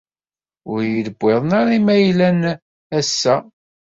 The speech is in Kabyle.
Ur yi-d-wwiḍen ara Imaylen ass-a.